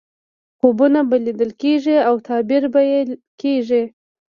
خوبونه به لیدل کېږي او تعبیر به یې کېږي.